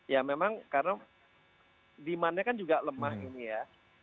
ya memang karena demandnya kan juga lemah ini ya